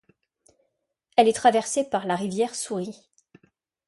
Elle est traversée par la rivière Souris.